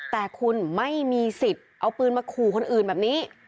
แต่คุณไม่มีสิทธิ์เอาปืนมาขู่คนอื่นแบบนี้